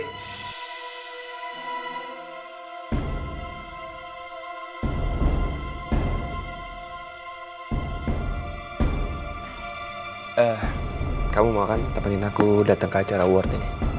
hai eh kamu mau kan temenin aku datang ke acara world